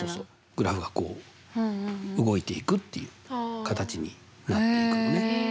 グラフがこう動いていくっていう形になっていくのね。